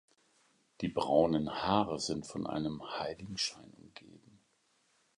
Die braunen Haare sind von einem Heiligenschein umgeben.